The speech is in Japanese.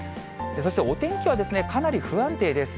そしてお天気は、かなり不安定です。